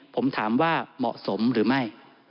ผมถามว่าเหมาะสมหรือไม่